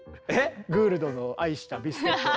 グールドの愛したビスケット。